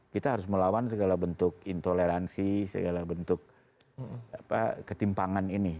kita harus melawan segala bentuk intoleransi segala bentuk ketimpangan ini